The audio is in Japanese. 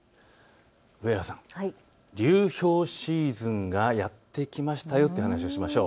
上原さん、流氷シーズンがやって来ましたよという話をしましょう。